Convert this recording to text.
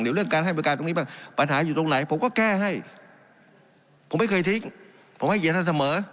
เดียวเรื่องการให้ผู้การตรงนี้บ้างปัญหาอยู่ตรงไหน